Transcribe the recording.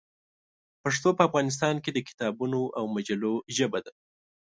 پښتو په افغانستان کې د کتابونو او مجلو ژبه ده.